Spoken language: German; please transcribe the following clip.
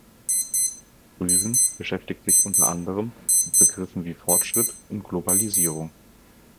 Rüsen beschäftigt sich unter anderem mit Begriffen wie Fortschritt und Globalisierung.